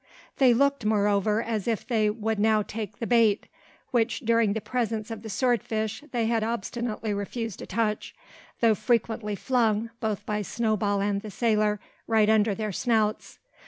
They looked, moreover, as if they would now take the bait, which during the presence of the sword fish they had obstinately refused to touch, though frequently flung, both by Snowball and the sailor, right under their snouts.